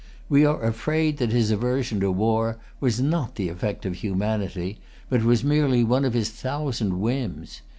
We are afraid that his aversion to war was not the effect of humanity, but was merely one of his thousand whims.